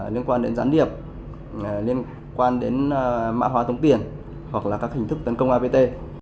liên quan đến gián điệp liên quan đến mã hóa tống tiền hoặc là các hình thức tấn công apt